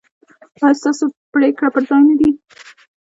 ایا ستاسو پریکړې پر ځای نه دي؟